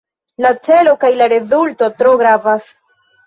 La celo kaj la rezulto tro gravas.